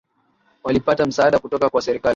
Walipata msaada kutoka kwa serikali